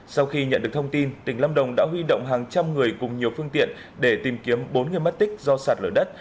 sau khi nhận được thông tin tỉnh lâm đồng đã huy động hàng trăm người cùng nhiều phương tiện để tìm kiếm bốn người mất tích do sạt lở đất